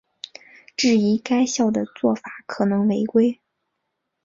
质疑该校的做法可能违规。